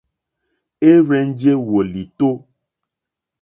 Érzènjé wòlìtó.